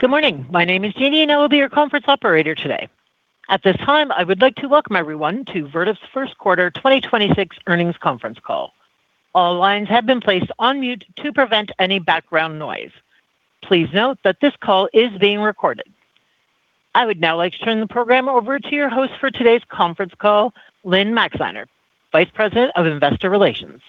Good morning. My name is Jeannie and I will be your conference operator today. At this time, I would like to welcome everyone to Vertiv's Q1 2026 Earnings Conference Call. All lines have been placed on mute to prevent any background noise. Please note that this call is being recorded. I would now like to turn the program over to your host for today's conference call, Lynne Maxeiner, Vice President of Investor Relations.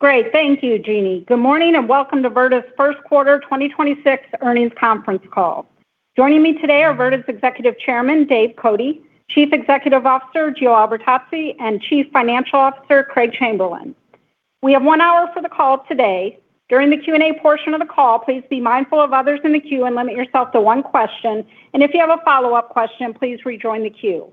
Great. Thank you, Jeannie. Good morning and welcome to Vertiv's Q1 2026 Earnings Conference Call. Joining me today are Vertiv's Executive Chairman, Dave Cote, Chief Executive Officer, Gio Albertazzi, and Chief Financial Officer, Craig Chamberlin. We have one hour for the call today. During the Q&A portion of the call, please be mindful of others in the queue and limit yourself to one question. If you have a follow-up question, please rejoin the queue.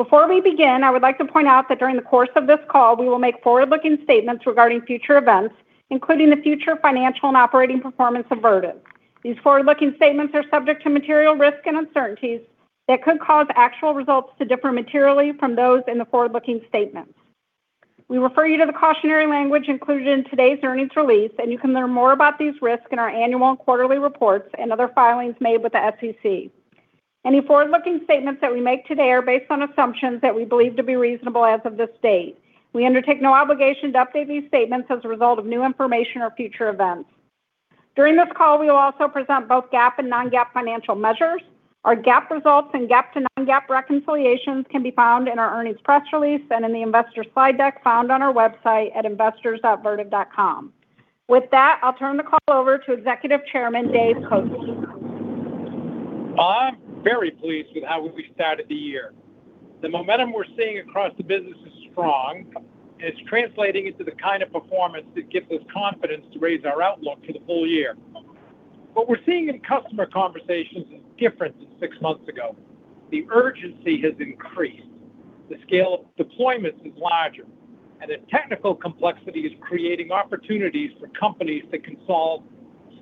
Before we begin, I would like to point out that during the course of this call, we will make forward-looking statements regarding future events, including the future financial and operating performance of Vertiv. These forward-looking statements are subject to material risks and uncertainties that could cause actual results to differ materially from those in the forward-looking statements. We refer you to the cautionary language included in today's earnings release, and you can learn more about these risks in our annual and quarterly reports and other filings made with the SEC. Any forward-looking statements that we make today are based on assumptions that we believe to be reasonable as of this date. We undertake no obligation to update these statements as a result of new information or future events. During this call, we will also present both GAAP and non-GAAP financial measures. Our GAAP results and GAAP to non-GAAP reconciliations can be found in our earnings press release and in the investor slide deck found on our website at investors.vertiv.com. With that, I'll turn the call over to Executive Chairman Dave Cote. I'm very pleased with how we started the year. The momentum we're seeing across the business is strong, and it's translating into the kind of performance that gives us confidence to raise our outlook for the full year. What we're seeing in customer conversations is different than six months ago. The urgency has increased, the scale of deployments is larger, and the technical complexity is creating opportunities for companies that can solve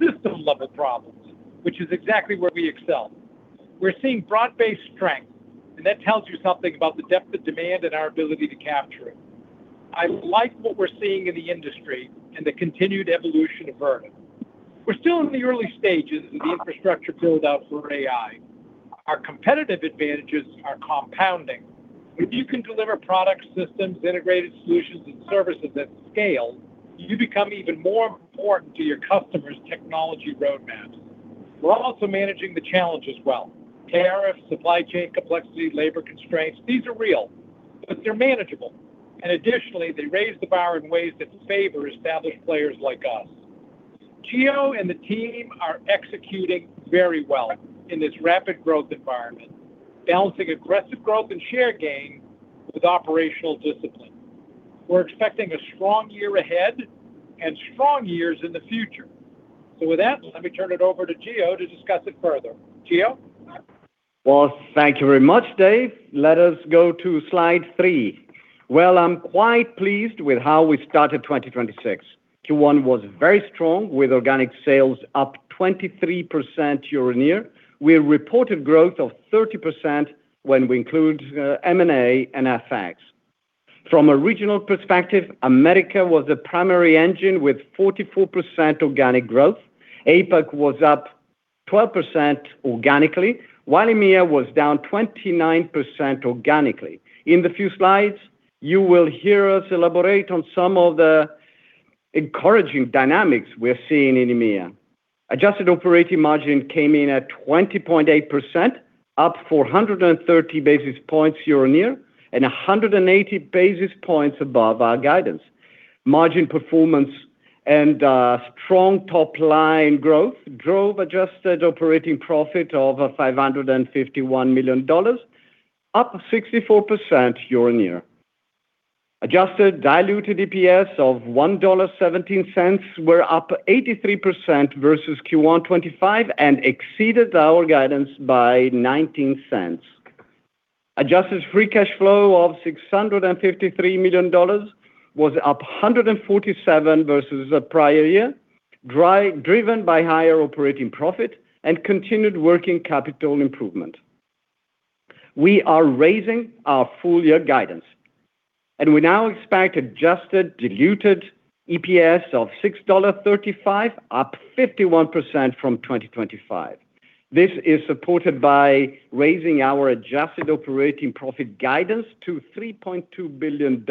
system-level problems, which is exactly where we excel. We're seeing broad-based strength, and that tells you something about the depth of demand and our ability to capture it. I like what we're seeing in the industry and the continued evolution of Vertiv. We're still in the early stages of the infrastructure build-out for AI. Our competitive advantages are compounding. If you can deliver products, systems, integrated solutions, and services at scale, you become even more important to your customers' technology roadmaps. We're also managing the challenges well. Tariffs, supply chain complexity, labor constraints. These are real, but they're manageable. Additionally, they raise the bar in ways that favor established players like us. Gio and the team are executing very well in this rapid growth environment, balancing aggressive growth and share gain with operational discipline. We're expecting a strong year ahead and strong years in the future. With that, let me turn it over to Gio to discuss it further. Gio? Well, thank you very much, Dave. Let us go to slide three. Well, I'm quite pleased with how we started 2026. Q1 was very strong with organic sales up 23% year-over-year. We reported growth of 30% when we include M&A and FX. From a regional perspective, America was the primary engine with 44% organic growth. APAC was up 12% organically, while EMEA was down 29% organically. In the few slides, you will hear us elaborate on some of the encouraging dynamics we're seeing in EMEA. Adjusted operating margin came in at 20.8%, up 430 basis points year-over-year, and 180 basis points above our guidance. Margin performance and strong top-line growth drove adjusted operating profit of $551 million, up 64% year-over-year. Adjusted diluted EPS of $1.17 were up 83% versus Q1 2025 and exceeded our guidance by $0.19. Adjusted free cash flow of $653 million was up 147% versus the prior year, driven by higher operating profit and continued working capital improvement. We are raising our full year guidance, and we now expect adjusted diluted EPS of $6.35, up 51% from 2025. This is supported by raising our adjusted operating profit guidance to $3.2 billion,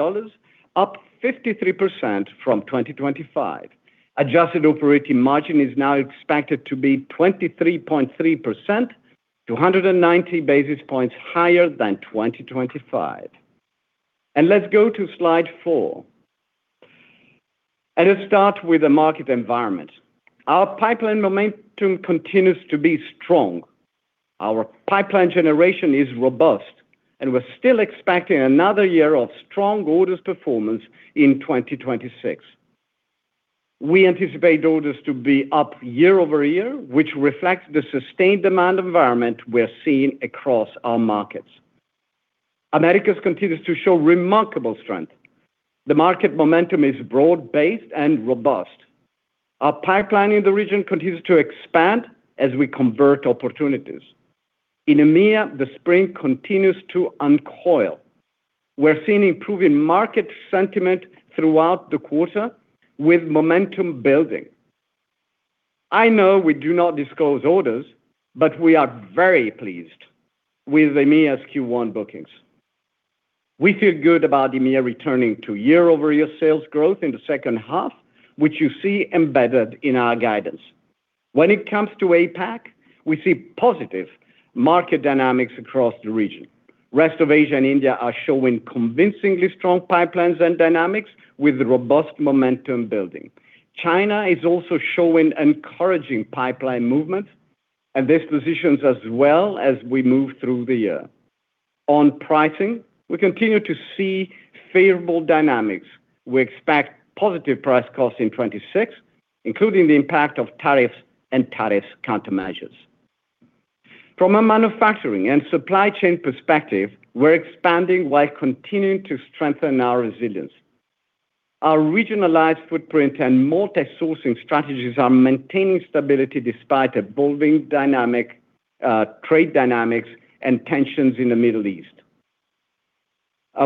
up 53% from 2025. Adjusted operating margin is now expected to be 23.3%, 290 basis points higher than 2025. Let's go to slide four. Let's start with the market environment. Our pipeline momentum continues to be strong. Our pipeline generation is robust, and we're still expecting another year of strong orders performance in 2026. We anticipate orders to be up year-over-year, which reflects the sustained demand environment we're seeing across our markets. Americas continues to show remarkable strength. The market momentum is broad-based and robust. Our pipeline in the region continues to expand as we convert opportunities. In EMEA, the spring continues to uncoil. We're seeing improving market sentiment throughout the quarter with momentum building. I know we do not disclose orders, but we are very pleased with EMEA's Q1 bookings. We feel good about EMEA returning to year-over-year sales growth in the second half, which you see embedded in our guidance. When it comes to APAC, we see positive market dynamics across the region. Rest of Asia and India are showing convincingly strong pipelines and dynamics with robust momentum building. China is also showing encouraging pipeline movement, and this positions us well as we move through the year. On pricing, we continue to see favorable dynamics. We expect positive price cost in 2026, including the impact of tariffs and tariff countermeasures. From a manufacturing and supply chain perspective, we're expanding while continuing to strengthen our resilience. Our regionalized footprint and multi-sourcing strategies are maintaining stability despite evolving trade dynamics and tensions in the Middle East.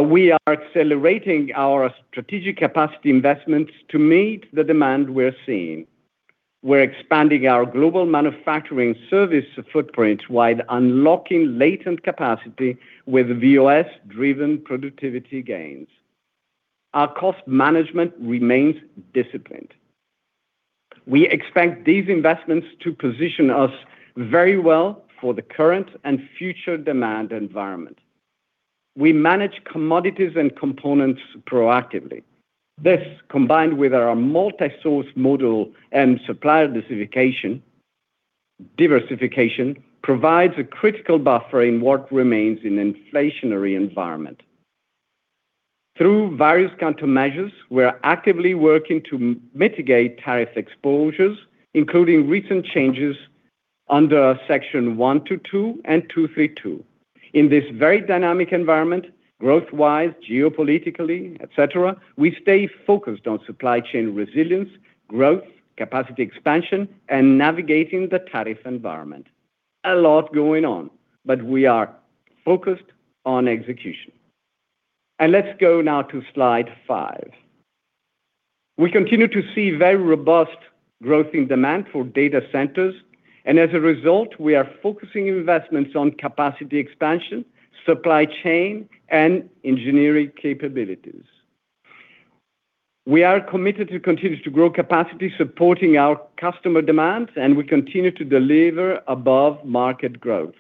We are accelerating our strategic capacity investments to meet the demand we're seeing. We're expanding our global manufacturing service footprint while unlocking latent capacity with VOS-driven productivity gains. Our cost management remains disciplined. We expect these investments to position us very well for the current and future demand environment. We manage commodities and components proactively. This, combined with our multi-source model and supplier diversification, provides a critical buffer in what remains an inflationary environment. Through various countermeasures, we are actively working to mitigate tariff exposures, including recent changes under Section 122 and 232. In this very dynamic environment, growth-wise, geopolitically, et cetera, we stay focused on supply chain resilience, growth, capacity expansion, and navigating the tariff environment. A lot going on, but we are focused on execution. Let's go now to slide five. We continue to see very robust growth in demand for data centers, and as a result, we are focusing investments on capacity expansion, supply chain, and engineering capabilities. We are committed to continue to grow capacity, supporting our customer demands, and we continue to deliver above-market growth.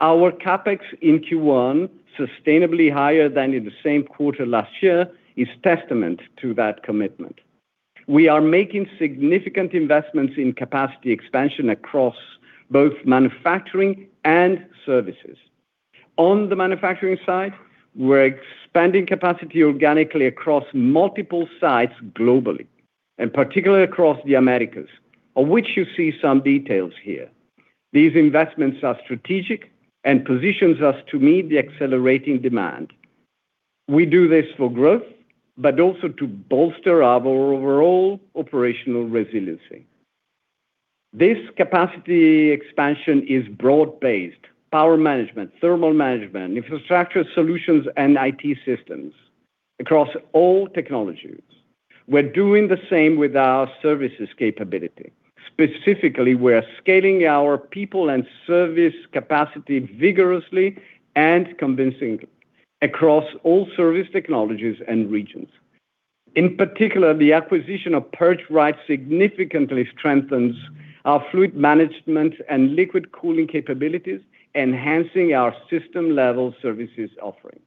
Our CapEx in Q1, sustainably higher than in the same quarter last year, is testament to that commitment. We are making significant investments in capacity expansion across both manufacturing and services. On the manufacturing side, we're expanding capacity organically across multiple sites globally, and particularly across the Americas, of which you see some details here. These investments are strategic and position us to meet the accelerating demand. We do this for growth, but also to bolster our overall operational resiliency. This capacity expansion is broad-based, power management, thermal management, infrastructure solutions, and IT systems across all technologies. We're doing the same with our services capability. Specifically, we are scaling our people and service capacity vigorously and convincingly across all service technologies and regions. In particular, the acquisition of PurgeRite significantly strengthens our fluid management and liquid cooling capabilities, enhancing our system-level services offering.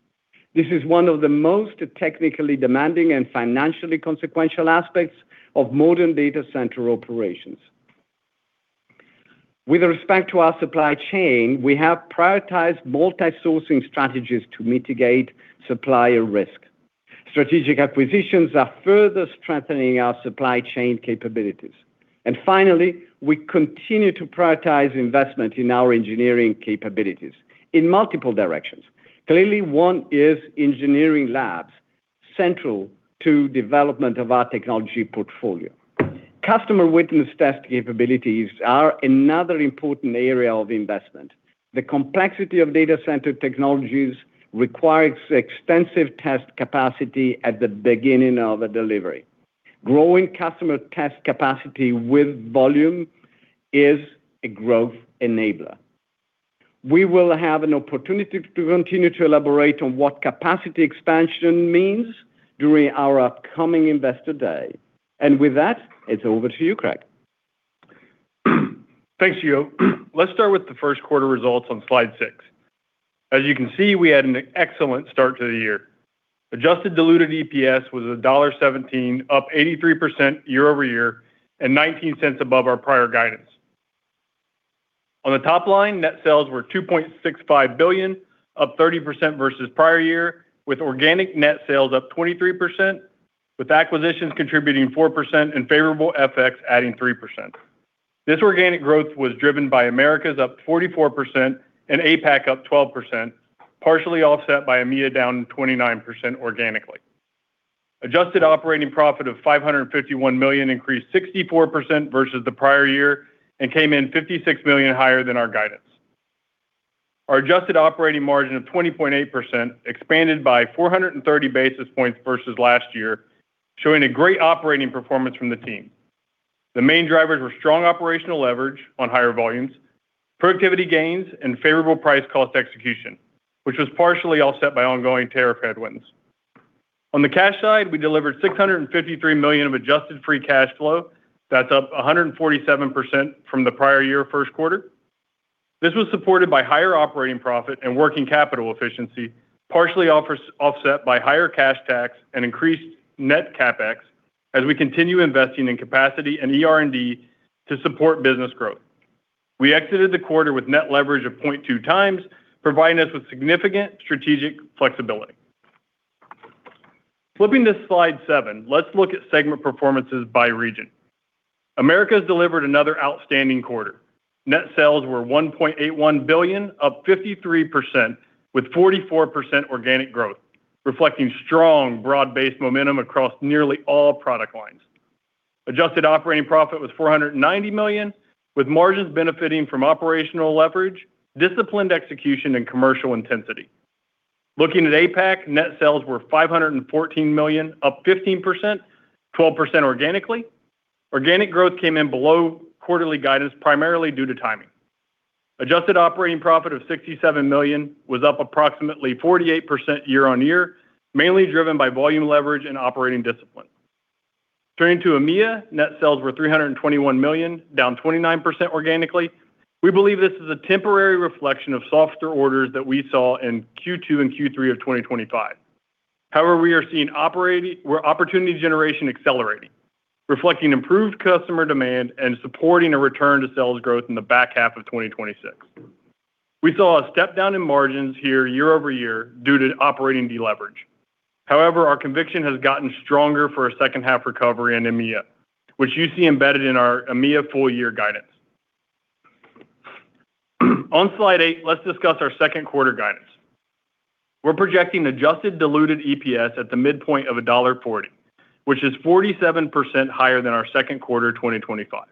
This is one of the most technically demanding and financially consequential aspects of modern data center operations. With respect to our supply chain, we have prioritized multi-sourcing strategies to mitigate supplier risk. Strategic acquisitions are further strengthening our supply chain capabilities. Finally, we continue to prioritize investment in our engineering capabilities in multiple directions. Clearly, one is engineering labs central to development of our technology portfolio. Customer witness test capabilities are another important area of investment. The complexity of data center technologies requires extensive test capacity at the beginning of a delivery. Growing customer test capacity with volume is a growth enabler. We will have an opportunity to continue to elaborate on what capacity expansion means during our upcoming Investor Day. With that, it's over to you, Craig. Thanks, Gio. Let's start with the Q1 results on slide six. As you can see, we had an excellent start to the year. Adjusted diluted EPS was $1.17, up 83% year-over-year and $0.19 above our prior guidance. On the top line, net sales were $2.65 billion, up 30% versus prior year, with organic net sales up 23%, with acquisitions contributing 4% and favorable FX adding 3%. This organic growth was driven by Americas up 44% and APAC up 12%, partially offset by EMEA down 29% organically. Adjusted operating profit of $551 million increased 64% versus the prior year and came in $56 million higher than our guidance. Our adjusted operating margin of 20.8% expanded by 430 basis points versus last year, showing a great operating performance from the team. The main drivers were strong operational leverage on higher volumes, productivity gains, and favorable price cost execution, which was partially offset by ongoing tariff headwinds. On the cash side, we delivered $653 million of adjusted free cash flow. That's up 147% from the prior year Q1. This was supported by higher operating profit and working capital efficiency, partially offset by higher cash tax and increased net CapEx as we continue investing in capacity and ER&D to support business growth. We exited the quarter with net leverage of 0.2x, providing us with significant strategic flexibility. Flipping to slide seven, let's look at segment performances by region. Americas delivered another outstanding quarter. Net sales were $1.81 billion, up 53%, with 44% organic growth, reflecting strong broad-based momentum across nearly all product lines. Adjusted operating profit was $490 million, with margins benefiting from operational leverage, disciplined execution, and commercial intensity. Looking at APAC, net sales were $514 million, up 15%, 12% organically. Organic growth came in below quarterly guidance, primarily due to timing. Adjusted operating profit of $67 million was up approximately 48% year-over-year, mainly driven by volume leverage and operating discipline. Turning to EMEA, net sales were $321 million, down 29% organically. We believe this is a temporary reflection of softer orders that we saw in Q2 and Q3 of 2025. However, we're seeing opportunity generation accelerating, reflecting improved customer demand and supporting a return to sales growth in the back half of 2026. We saw a step down in margins here year-over-year due to operating deleverage. However, our conviction has gotten stronger for a second half recovery in EMEA, which you see embedded in our EMEA full year guidance. On slide eight, let's discuss our Q2 guidance. We're projecting adjusted diluted EPS at the midpoint of $1.40, which is 47% higher than our Q2 2025.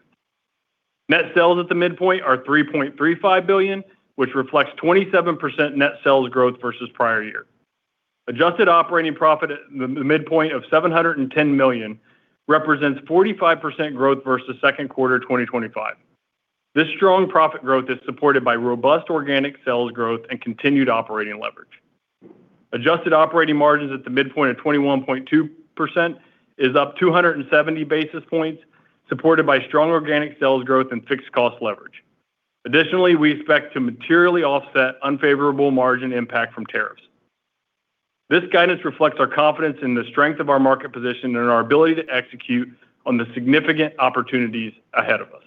Net sales at the midpoint are $3.35 billion, which reflects 27% net sales growth versus prior year. Adjusted operating profit at the midpoint of $710 million represents 45% growth versus Q2 2025. This strong profit growth is supported by robust organic sales growth and continued operating leverage. Adjusted operating margins at the midpoint of 21.2% is up 270 basis points, supported by strong organic sales growth and fixed cost leverage. Additionally, we expect to materially offset unfavorable margin impact from tariffs. This guidance reflects our confidence in the strength of our market position and our ability to execute on the significant opportunities ahead of us.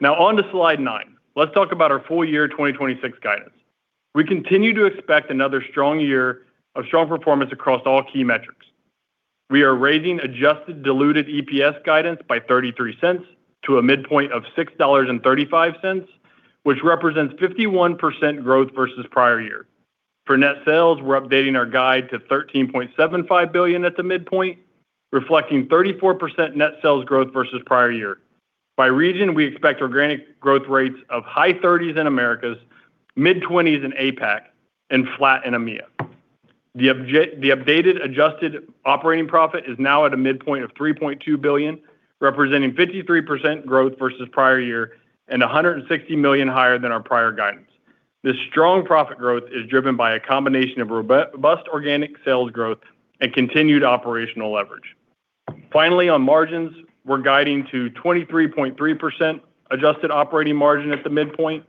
Now on to slide nine. Let's talk about our full year 2026 guidance. We continue to expect another strong year of strong performance across all key metrics. We are raising adjusted diluted EPS guidance by $0.33 to a midpoint of $6.35, which represents 51% growth versus prior year. For net sales, we're updating our guide to $13.75 billion at the midpoint, reflecting 34% net sales growth versus prior year. By region, we expect organic growth rates of high 30s% in Americas, mid-20s% in APAC, and flat in EMEA. The updated adjusted operating profit is now at a midpoint of $3.2 billion, representing 53% growth versus prior year and $160 million higher than our prior guidance. This strong profit growth is driven by a combination of robust organic sales growth and continued operational leverage. Finally, on margins, we're guiding to 23.3% adjusted operating margin at the midpoint,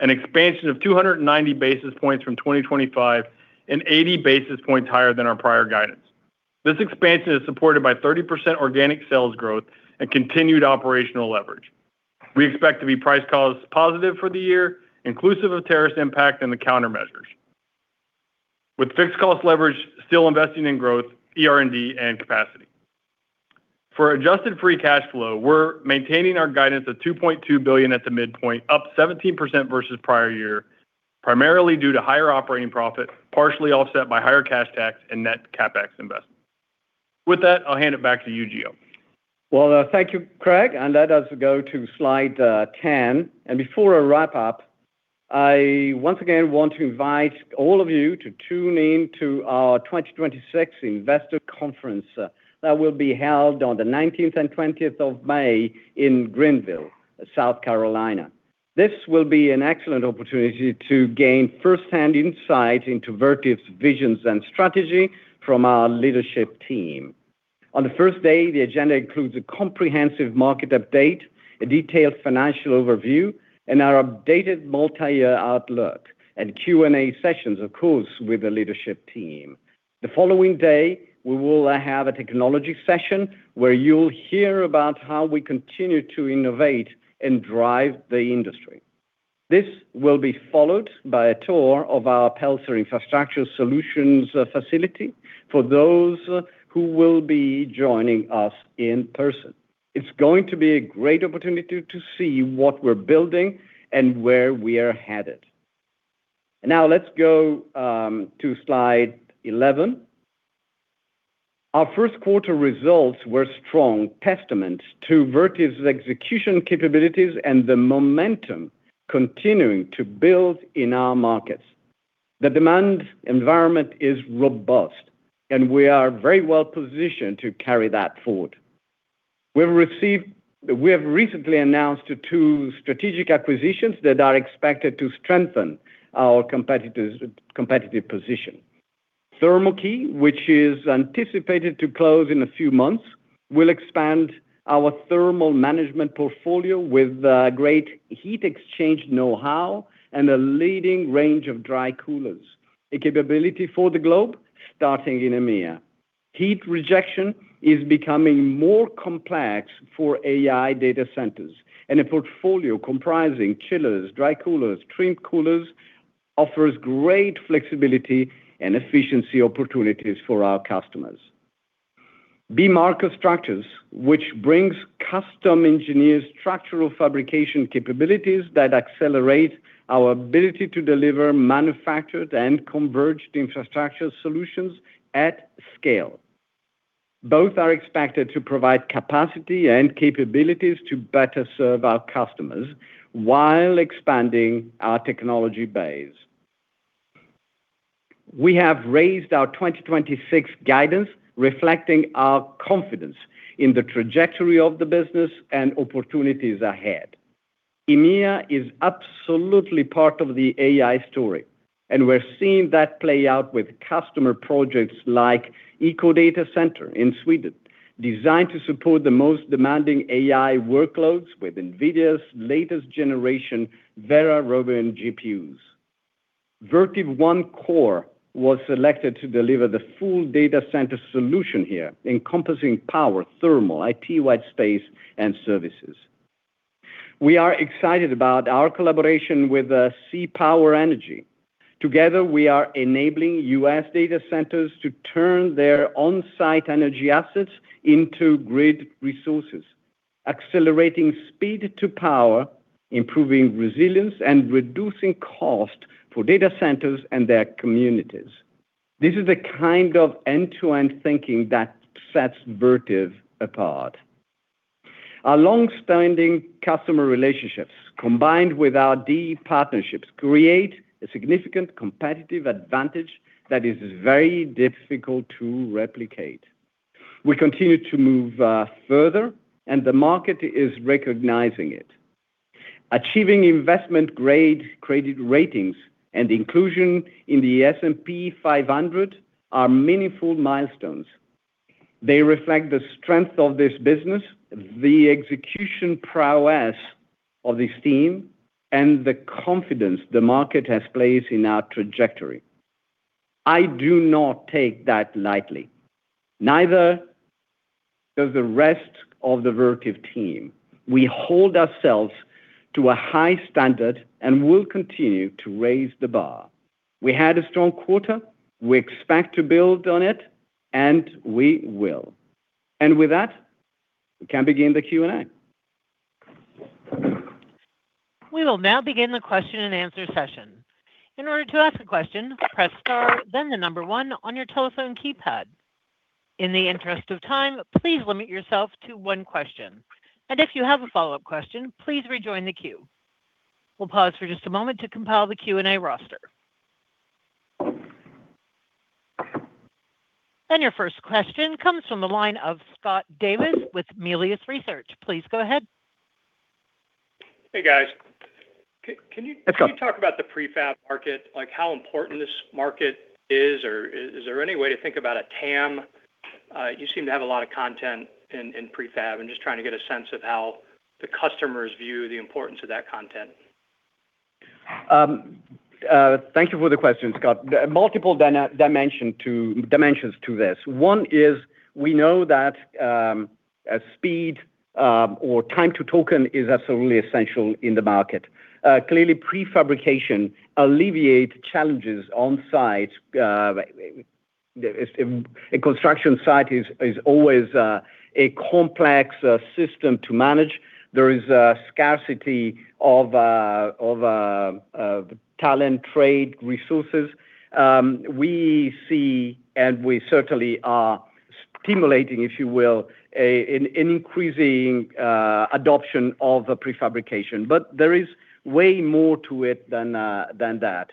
an expansion of 290 basis points from 2025 and 80 basis points higher than our prior guidance. This expansion is supported by 30% organic sales growth and continued operational leverage. We expect to be price cost positive for the year, inclusive of tariff impact and the countermeasures with fixed cost leverage, still investing in growth, ER&D, and capacity. For adjusted free cash flow, we're maintaining our guidance of $2.2 billion at the midpoint, up 17% versus prior year, primarily due to higher operating profit, partially offset by higher cash tax and net CapEx investments. With that, I'll hand it back to you, Gio. Well, thank you, Craig, and let us go to slide 10. Before I wrap up, I once again want to invite all of you to tune in to our 2026 investor conference that will be held on the 19th and 20th of May in Greenville, South Carolina. This will be an excellent opportunity to gain first-hand insight into Vertiv's visions and strategy from our leadership team. On the first day, the agenda includes a comprehensive market update, a detailed financial overview, and our updated multi-year outlook, and Q&A sessions, of course, with the leadership team. The following day, we will have a technology session where you'll hear about how we continue to innovate and drive the industry. This will be followed by a tour of our Pelzer Infrastructure Solutions facility for those who will be joining us in person. It's going to be a great opportunity to see what we're building and where we are headed. Now let's go to slide 11. Our Q1 results were a strong testament to Vertiv's execution capabilities and the momentum continuing to build in our markets. The demand environment is robust, and we are very well positioned to carry that forward. We have recently announced two strategic acquisitions that are expected to strengthen our competitive position. ThermoKey, which is anticipated to close in a few months, will expand our thermal management portfolio with great heat exchange know-how and a leading range of dry coolers, a capability for the globe, starting in EMEA. Heat rejection is becoming more complex for AI data centers, and a portfolio comprising chillers, dry coolers, trim coolers, offers great flexibility and efficiency opportunities for our customers. BMarko Structures, which brings custom-engineered structural fabrication capabilities that accelerate our ability to deliver manufactured and converged infrastructure solutions at scale. Both are expected to provide capacity and capabilities to better serve our customers while expanding our technology base. We have raised our 2026 guidance, reflecting our confidence in the trajectory of the business and opportunities ahead. EMEA is absolutely part of the AI story, and we're seeing that play out with customer projects like EcoDataCenter in Sweden, designed to support the most demanding AI workloads with NVIDIA's latest generation Vera Rubin GPUs. Vertiv OneCore was selected to deliver the full data center solution here, encompassing power, thermal, IT white space, and services. We are excited about our collaboration with CPower Energy. Together, we are enabling U.S. data centers to turn their on-site energy assets into grid resources, accelerating speed to power, improving resilience, and reducing cost for data centers and their communities. This is the kind of end-to-end thinking that sets Vertiv apart. Our long-standing customer relationships, combined with our deep partnerships, create a significant competitive advantage that is very difficult to replicate. We continue to move further, and the market is recognizing it. Achieving investment-grade credit ratings and inclusion in the S&P 500 are meaningful milestones. They reflect the strength of this business, the execution prowess of this team, and the confidence the market has placed in our trajectory. I do not take that lightly. Neither does the rest of the Vertiv team. We hold ourselves to a high standard and will continue to raise the bar. We had a strong quarter, we expect to build on it, and we will. With that, we can begin the Q&A. We will now begin the question and answer session. In order to ask a question, press star, then the number one on your telephone keypad. In the interest of time, please limit yourself to one question. If you have a follow-up question, please rejoin the queue. We'll pause for just a moment to compile the Q&A roster. Then your first question comes from the line of Scott Davis with Melius Research. Please go ahead. Hey, guys. Let's go. Can you talk about the prefab market, like how important this market is, or is there any way to think about a TAM? You seem to have a lot of content in prefab, and just trying to get a sense of how the customers view the importance of that content? Thank you for the question, Scott. Multiple dimensions to this. One is we know that speed or time to token is absolutely essential in the market. Clearly, prefabrication alleviates challenges on-site. A construction site is always a complex system to manage. There is a scarcity of talent, trade, resources. We see, and we certainly are stimulating, if you will, an increasing adoption of prefabrication. But there is way more to it than that.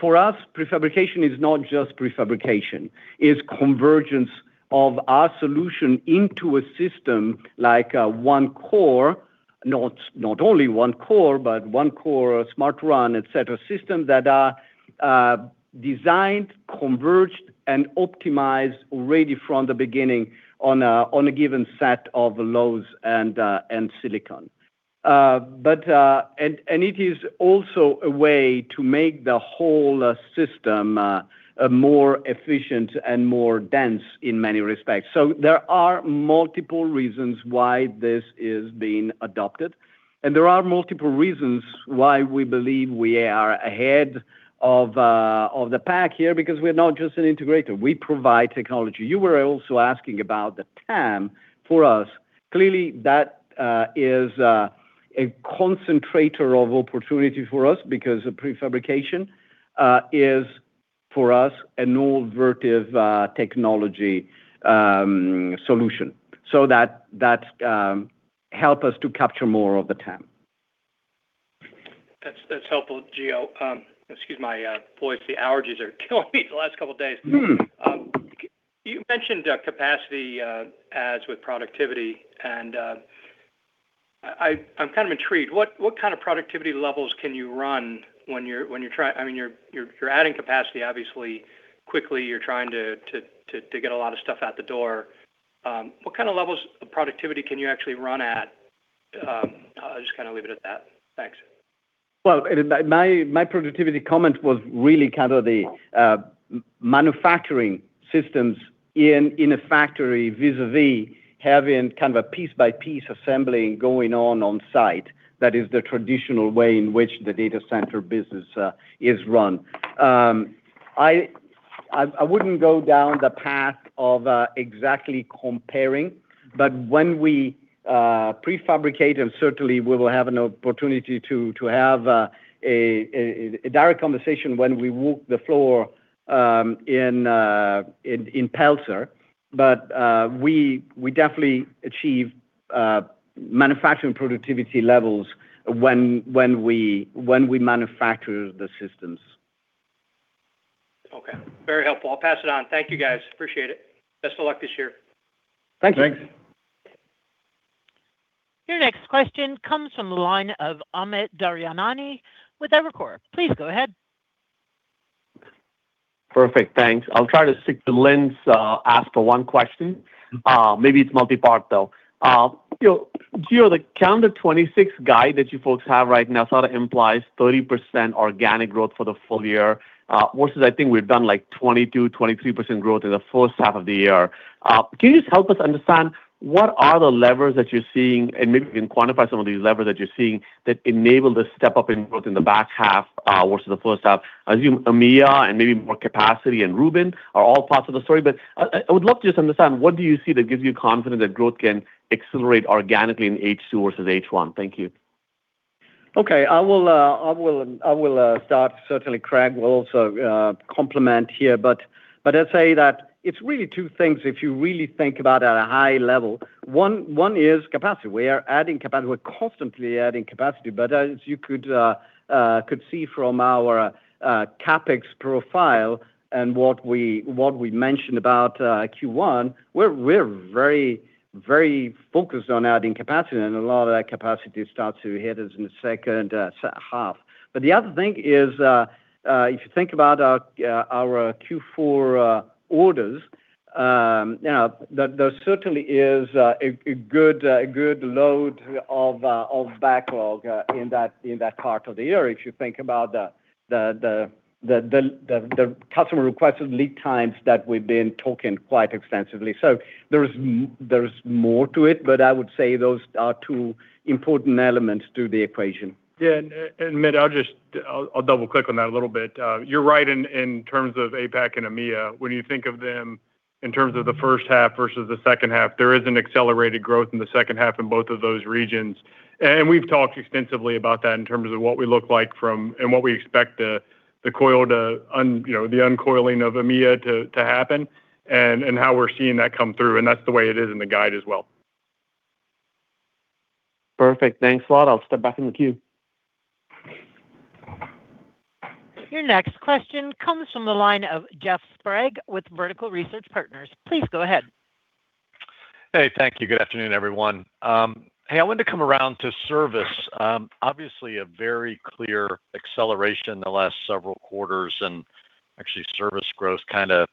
For us, prefabrication is not just prefabrication. It's convergence of our solution into a system like OneCore, not only OneCore, but OneCore, SmartRun, et cetera, systems that are designed, converged, and optimized already from the beginning on a given set of loads and silicon. It is also a way to make the whole system more efficient and more dense in many respects. There are multiple reasons why this is being adopted, and there are multiple reasons why we believe we are ahead of the pack here, because we're not just an integrator. We provide technology. You were also asking about the TAM for us. Clearly, that is a concentrator of opportunity for us because prefabrication is, for us, an operative technology solution. That helps us to capture more of the TAM. That's helpful, Gio. Excuse my voice, the allergies are killing me the last couple of days. Hmm. You mentioned capacity as with productivity, and I'm kind of intrigued. What kind of productivity levels can you run when you're adding capacity, obviously quickly, you're trying to get a lot of stuff out the door. What kind of levels of productivity can you actually run at? I'll just leave it at that. Thanks. Well, my productivity comment was really the manufacturing systems in a factory, vis-à-vis having a piece-by-piece assembly going on-site. That is the traditional way in which the data center business is run. I wouldn't go down the path of exactly comparing. When we prefabricate, and certainly we will have an opportunity to have a direct conversation when we walk the floor in Pelzer. We definitely achieve manufacturing productivity levels when we manufacture the systems. Okay. Very helpful. I'll pass it on. Thank you, guys. Appreciate it. Best of luck this year. Thanks. Thanks. Your next question comes from the line of Amit Daryanani with Evercore. Please go ahead. Perfect. Thanks. I'll try to stick to Lynne's ask for one question. Maybe it's multi-part, though. Gio, the calendar 2026 guide that you folks have right now sort of implies 30% organic growth for the full year, versus I think we've done like 22%, 23% growth in the H1 of the year. Can you just help us understand what are the levers that you're seeing, and maybe you can quantify some of these levers that you're seeing that enable the step-up in growth in the back half versus the H1? I assume EMEA and maybe more capacity and Rubin are all parts of the story, but I would love to just understand, what do you see that gives you confidence that growth can accelerate organically in H2 versus H1? Thank you. Okay. I will start. Certainly, Craig will also comment here. I'd say that it's really two things if you really think about it at a high level. One is capacity. We are adding capacity. We're constantly adding capacity. As you could see from our CapEx profile and what we mentioned about Q1, we're very focused on adding capacity, and a lot of that capacity starts to hit us in the second half. The other thing is, if you think about our Q4 orders, there certainly is a good load of backlog in that part of the year. If you think about the customer requested lead times that we've been talking about quite extensively, there's more to it, but I would say those are two important elements to the equation. Yeah. Amit, I'll double-click on that a little bit. You're right in terms of APAC and EMEA. When you think of them in terms of the H1 versus the H2, there is an accelerated growth in the second half in both of those regions. We've talked extensively about that in terms of what we look like, and what we expect the uncoiling of EMEA to happen, and how we're seeing that come through, and that's the way it is in the guide as well. Perfect. Thanks a lot. I'll step back in the queue. Your next question comes from the line of Jeff Sprague with Vertical Research Partners. Please go ahead. Hey, thank you. Good afternoon, everyone. Hey, I wanted to come around to service. Obviously a very clear acceleration in the last several quarters, and actually service growth kind of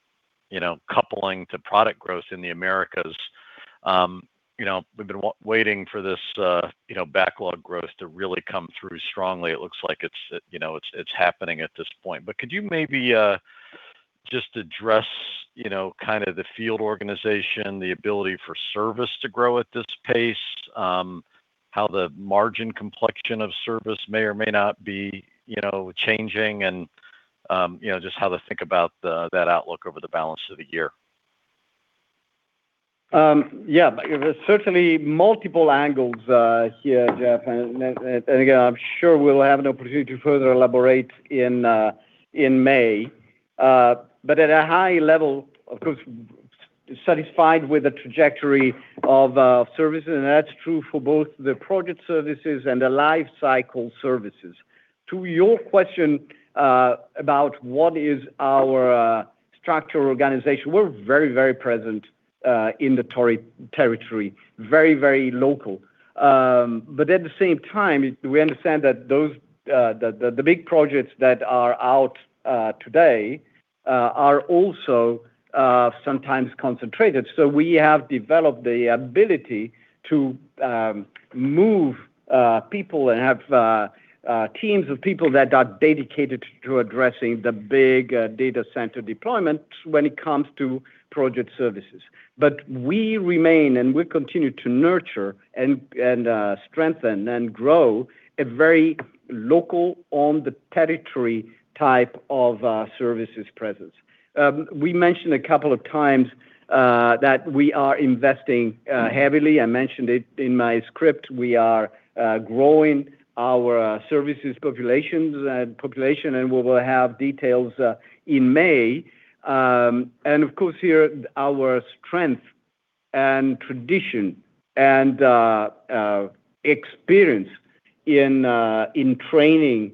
coupling to product growth in the Americas. We've been waiting for this backlog growth to really come through strongly. It looks like it's happening at this point. Could you maybe just address kind of the field organization, the ability for service to grow at this pace, how the margin complexion of service may or may not be changing, and just how to think about that outlook over the balance of the year? Yeah. There's certainly multiple angles here, Jeff, and again, I'm sure we'll have an opportunity to further elaborate in May. At a high level, of course, we're satisfied with the trajectory of service, and that's true for both the project services and the life cycle services. To your question about what is our service organization, we're very present in the territory. Very local. At the same time, we understand that the big projects that are out today are also sometimes concentrated. We have developed the ability to move people and have teams of people that are dedicated to addressing the big data center deployment when it comes to project services. We remain, and we continue to nurture and strengthen and grow a very local, on the territory type of services presence. We mentioned a couple of times that we are investing heavily. I mentioned it in my script. We are growing our services population, and we will have details in May. Of course here, our strength and tradition and experience in training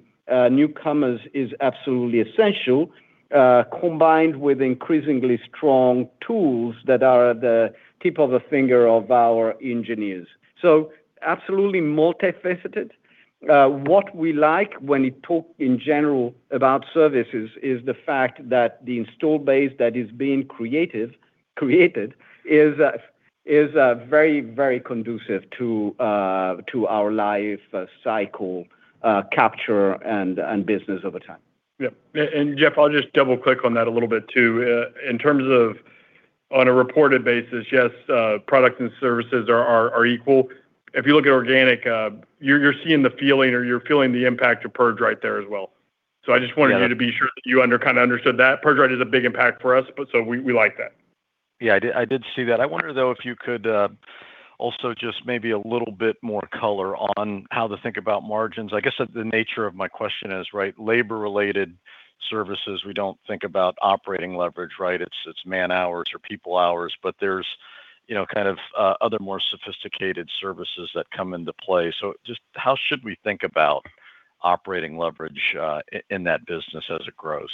newcomers is absolutely essential, combined with increasingly strong tools that are at the fingertips of our engineers. Absolutely multifaceted. What we like when we talk in general about services is the fact that the installed base that is being created is very conducive to our lifecycle capture and business over time. Yep. Jeff, I'll just double-click on that a little bit too. In terms of on a reported basis, yes, products and services are equal. If you look at organic, you're seeing the feeling or you're feeling the impact of PurgeRite there as well. Got it. I just wanted you to be sure that you kind of understood that. PurgeRite is a big impact for us, but so we like that. Yeah, I did see that. I wonder, though, if you could also just maybe a little bit more color on how to think about margins? I guess that the nature of my question is labor-related services, we don't think about operating leverage. It's man-hours or people hours, but there's kind of other more sophisticated services that come into play. Just how should we think about operating leverage in that business as it grows?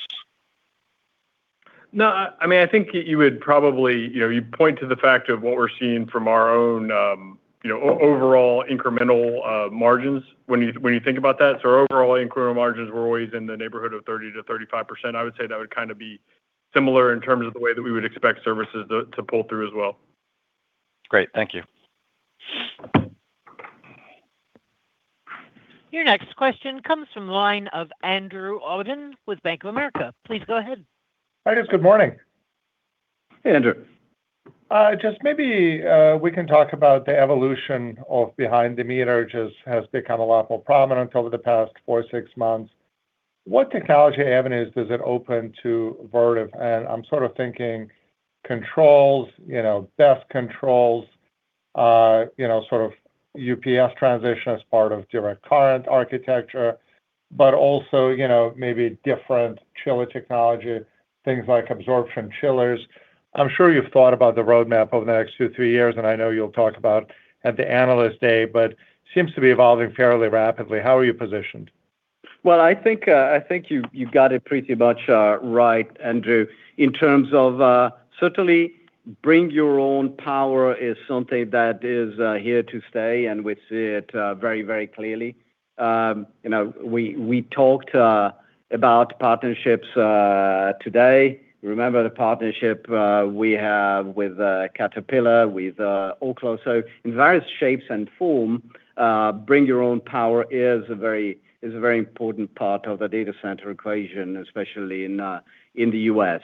No, I think you would probably point to the fact of what we're seeing from our own overall incremental margins when you think about that. Overall incremental margins were always in the neighborhood of 30%-35%. I would say that would kind of be similar in terms of the way that we would expect services to pull through as well. Great. Thank you. Your next question comes from the line of Andrew Obin with Bank of America. Please go ahead. Hi, guys. Good morning. Hey, Andrew. Just maybe we can talk about the evolution of behind the meter. It just has become a lot more prominent over the past four, six months. What technology avenues does it open to Vertiv? I'm sort of thinking controls, desk controls, sort of UPS transition as part of direct current architecture, but also maybe different chiller technology, things like absorption chillers. I'm sure you've thought about the roadmap over the next two, three years, and I know you'll talk about it at the Analyst Day, but it seems to be evolving fairly rapidly. How are you positioned? Well, I think you've got it pretty much right, Andrew, in terms of certainly bring your own power is something that is here to stay, and we see it very clearly. We talked about partnerships today. Remember the partnership we have with Caterpillar, with Oklo. In various shapes and forms, bring your own power is a very important part of the data center equation, especially in the U.S.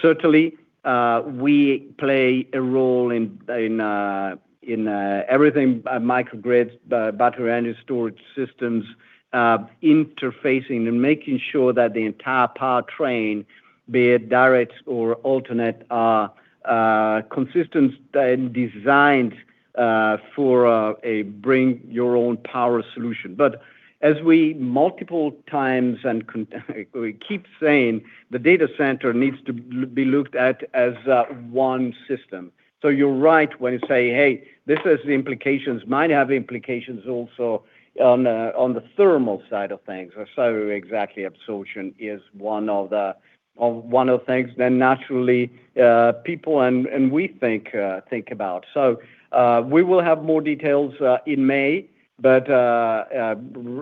Certainly, we play a role in everything from microgrids, battery energy storage systems, interfacing and making sure that the entire powertrain, be it direct or alternate, are consistent and designed for a bring your own power solution. As we've said multiple times, and we keep saying, the data center needs to be looked at as one system. You're right when you say, "Hey, this has implications, might have implications also on the thermal side of things." Exactly, absorption is one of the things that naturally people and we think about. We will have more details in May, but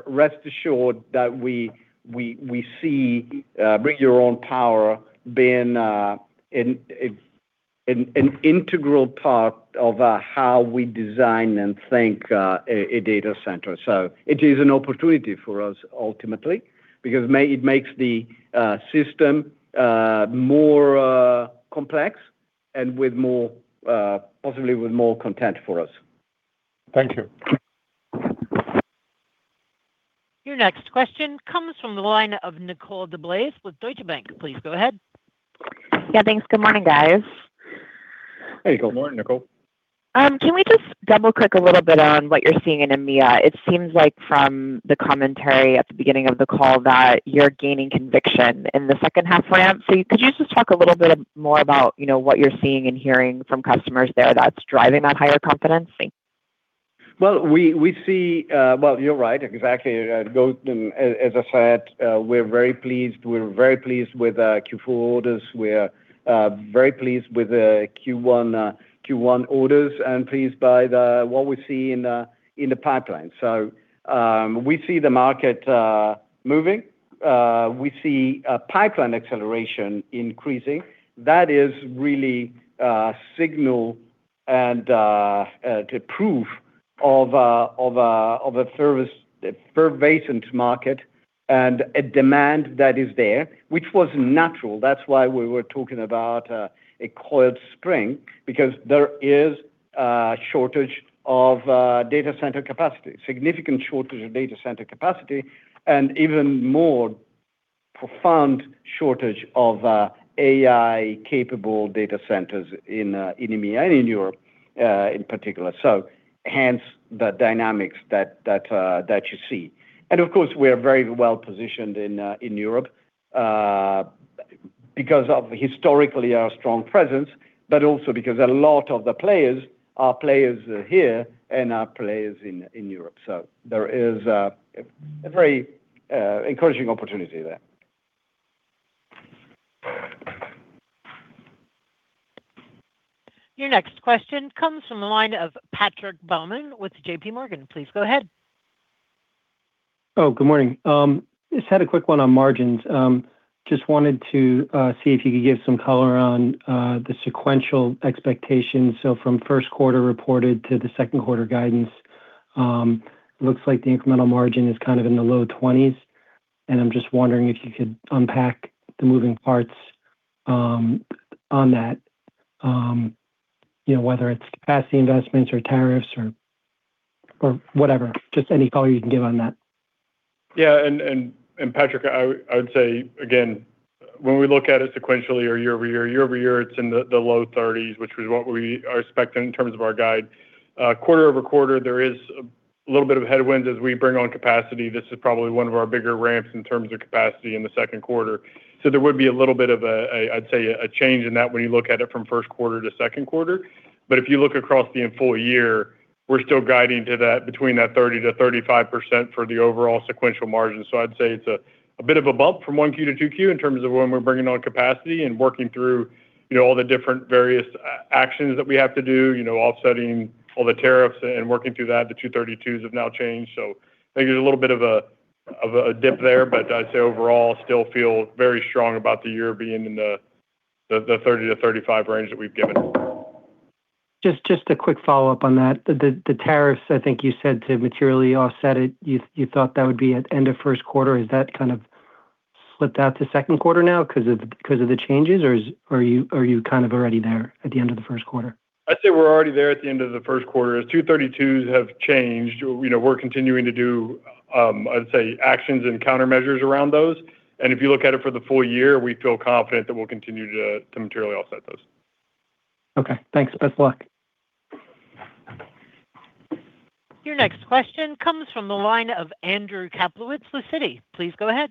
rest assured that we see bring your own power being an integral part of how we design and think a data center. It is an opportunity for us ultimately because it makes the system more complex and possibly with more content for us. Thank you. Your next question comes from the line of Nicole DeBlase with Deutsche Bank. Please go ahead. Yeah, thanks. Good morning, guys. Hey, Nicole. Good morning, Nicole. Can we just double-click a little bit on what you're seeing in EMEA? It seems like from the commentary at the beginning of the call that you're gaining conviction in the second half ramp. Could you just talk a little bit more about what you're seeing and hearing from customers there that's driving that higher confidence? Thanks. Well, you're right, exactly. As I said, we're very pleased with Q4 orders. We're very pleased with the Q1 orders and pleased by what we see in the pipeline. We see the market moving. We see pipeline acceleration increasing. That is really a signal and the proof of a service pervasive market and a demand that is there, which was natural. That's why we were talking about a coiled spring, because there is a shortage of data center capacity, significant shortage of data center capacity, and even more profound shortage of AI-capable data centers in EMEA and in Europe in particular. Hence the dynamics that you see. Of course, we're very well-positioned in Europe because of historically our strong presence, but also because a lot of the players are players here and are players in Europe. There is a very encouraging opportunity there. Your next question comes from the line of Patrick Baumann with JP Morgan. Please go ahead. Oh, good morning. Just had a quick one on margins. Just wanted to see if you could give some color on the sequential expectations. From Q1 reported to the Q2 guidance, looks like the incremental margin is in the low 20s%, and I'm just wondering if you could unpack the moving parts on that. Whether it's capacity investments or tariffs or whatever, just any color you can give on that. Yeah. Patrick, I would say again, when we look at it sequentially or year-over-year, it's in the low 30s, which was what we are expecting in terms of our guide. Quarter-over-quarter, there is a little bit of headwinds as we bring on capacity. This is probably one of our bigger ramps in terms of capacity in the Q2. There would be a little bit of a, I'd say, a change in that when you look at it from Q1-Q2. If you look across the full year, we're still guiding to that between that 30%-35% for the overall sequential margin. I'd say it's a bit of a bump from 1Q-2Q in terms of when we're bringing on capacity and working through all the different various actions that we have to do, offsetting all the tariffs and working through that. The 232s have now changed. I think there's a little bit of a dip there, but I'd say overall, still feel very strong about the year being in the 30-35 range that we've given. Just a quick follow-up on that. The tariffs, I think you said to materially offset it, you thought that would be at end of Q1. Has that kind of slipped out to Q2 now because of the changes, or are you kind of already there at the end of the Q1? I'd say we're already there at the end of the Q1. As 232s have changed, we're continuing to do, I'd say, actions and countermeasures around those. If you look at it for the full year, we feel confident that we'll continue to materially offset those. Okay, thanks. Best luck. Your next question comes from the line of Andrew Kaplowitz with Citi. Please go ahead.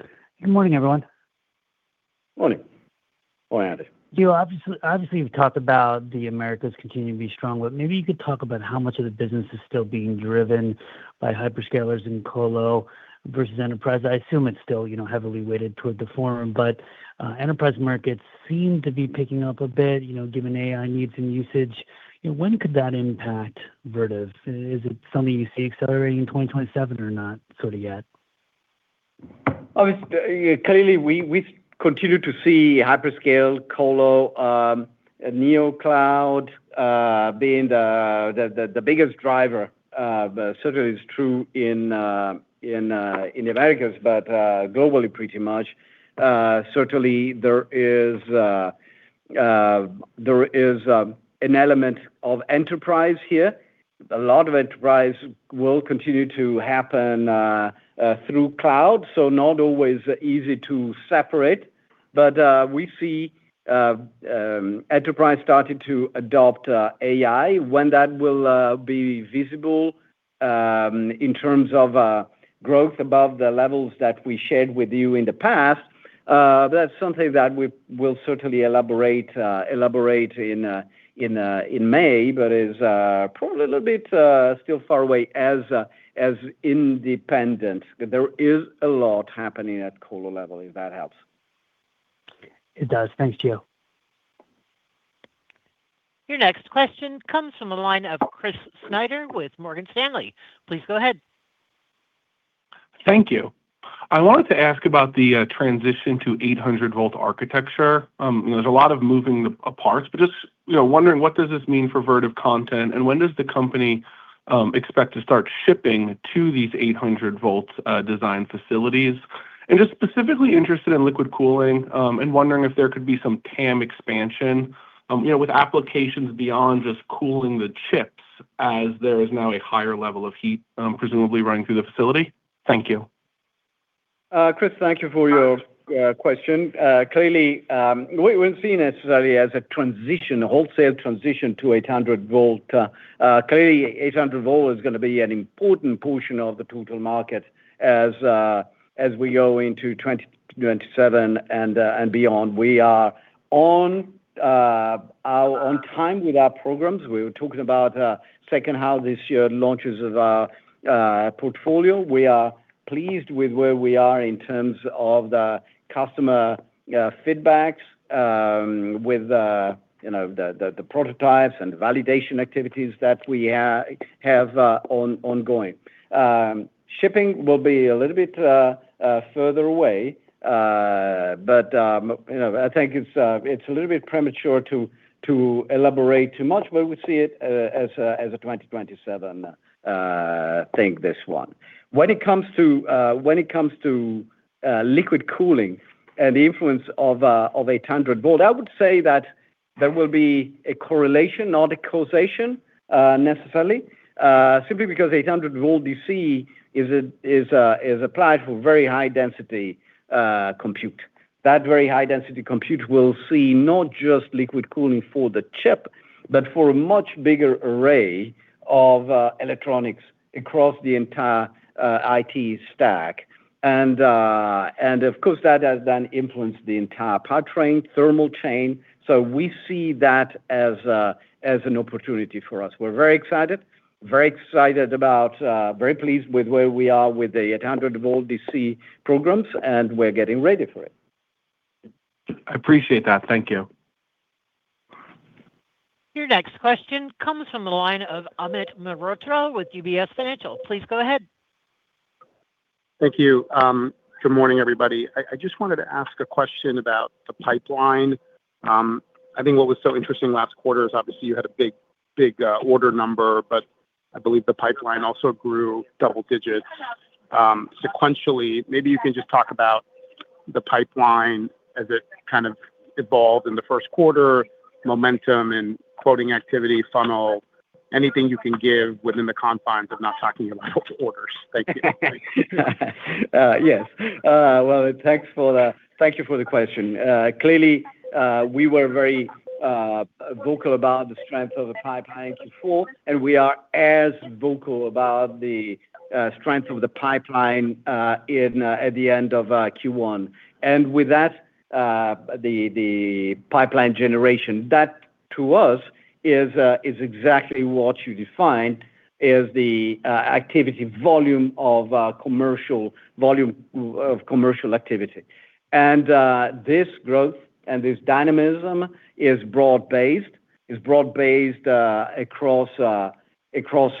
Good morning, everyone. Morning. Morning, Andy. Gio, obviously, you've talked about the Americas continuing to be strong, but maybe you could talk about how much of the business is still being driven by hyperscalers in colo versus enterprise. I assume it's still heavily weighted toward the former, but enterprise markets seem to be picking up a bit, given AI needs and usage. When could that impact Vertiv? Is it something you see accelerating in 2027 or not sort of yet? Obviously, clearly, we continue to see hyperscale, colo, neocloud being the biggest driver. Certainly it's true in the Americas, but globally pretty much. Certainly there is an element of enterprise here. A lot of enterprise will continue to happen through cloud, so not always easy to separate. We see enterprise starting to adopt AI. When that will be visible in terms of growth above the levels that we shared with you in the past, that's something that we will certainly elaborate in May, but is probably a little bit still far away as independent. There is a lot happening at colo level, if that helps. It does. Thanks, Gio. Your next question comes from the line of Christopher Snyder with Morgan Stanley. Please go ahead. Thank you. I wanted to ask about the transition to 800-volt architecture. There's a lot of moving parts, but just wondering what does this mean for Vertiv content, and when does the company expect to start shipping to these 800-volt design facilities? Just specifically interested in liquid cooling, and wondering if there could be some TAM expansion with applications beyond just cooling the chips as there is now a higher level of heat presumably running through the facility. Thank you. Chris, thank you for your question. Clearly, we wouldn't see necessarily as a transition, a wholesale transition to 800 volt. Clearly, 800 volt is going to be an important portion of the total market as we go into 2027 and beyond. We are on time with our programs. We were talking about second half this year launches of our portfolio. We are pleased with where we are in terms of the customer feedbacks with the prototypes and validation activities that we have ongoing. Shipping will be a little bit further away, but I think it's a little bit premature to elaborate too much, but we see it as a 2027 thing, this one. When it comes to liquid cooling and the influence of 800-volt, I would say that there will be a correlation, not a causation necessarily, simply because 800-volt DC is applied for very high-density compute. That very high-density compute will see not just liquid cooling for the chip, but for a much bigger array of electronics across the entire IT stack. Of course, that has then influenced the entire power train, thermal chain. We see that as an opportunity for us. We're very excited, very pleased with where we are with the 800-volt DC programs, and we're getting ready for it. I appreciate that. Thank you. Your next question comes from the line of Amit Mehrotra with UBS. Please go ahead. Thank you. Good morning, everybody. I just wanted to ask a question about the pipeline. I think what was so interesting last quarter is obviously you had a big order number, but I believe the pipeline also grew double digits sequentially. Maybe you can just talk about the pipeline as it kind of evolved in the Q1, momentum and quoting activity funnel. Anything you can give within the confines of not talking about orders. Thank you. Yes. Well, thank you for the question. Clearly, we were very vocal about the strength of the pipeline Q4, and we are as vocal about the strength of the pipeline at the end of Q1. With that, the pipeline generation, that to us is exactly what you defined as the activity volume of commercial activity. This growth and this dynamism is broad-based. It's broad-based across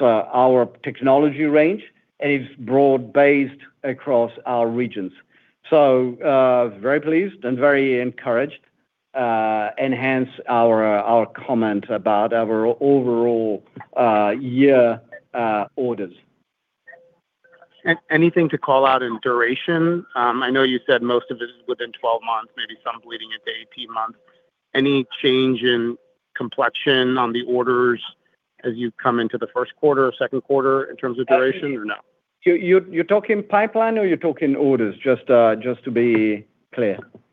our technology range, and it's broad-based across our regions. Very pleased and very encouraged. This enhances our comment about our overall year orders. Anything to call out in duration? I know you said most of this is within 12 months, maybe some bleeding into 18 months. Any change in complexion on the orders as you come into the Q1 or Q2 in terms of duration or no? You're talking pipeline or you're talking orders, just to be clear?